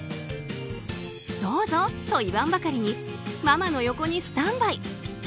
どうぞと言わんばかりにママの横にスタンバイ。